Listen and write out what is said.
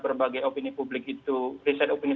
berbagai opini publik itu riset opini